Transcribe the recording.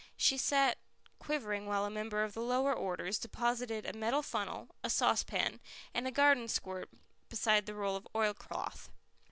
She sat quivering while a member of the lower orders deposited a metal funnel, a saucepan, and a garden squirt beside the roll of oilcloth.